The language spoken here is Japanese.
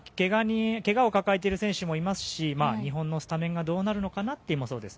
けがを抱えている選手もいますし日本のスタメンがどうなるのかもそうです。